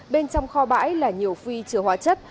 bên trong kho bãi là nhiều phi chứa hóa chất